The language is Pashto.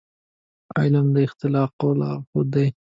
علم د اخلاقو لارښود دی.